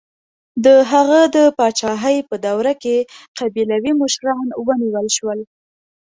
د هغه د پاچاهۍ په دوره کې قبیلوي مشران ونیول شول.